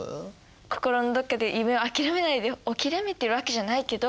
心のどこかで夢を諦めないで諦めてるわけじゃないけど。